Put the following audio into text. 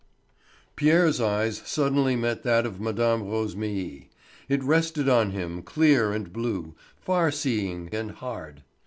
Pierre's eye suddenly met that of Mme. Rosémilly; it rested on him clear and blue, far seeing and hard.